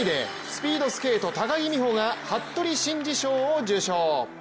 スピードスケート・高木美帆が服部真二賞を受賞。